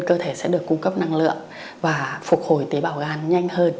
cơ thể sẽ được cung cấp năng lượng và phục hồi tế bào gan nhanh hơn